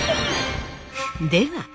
では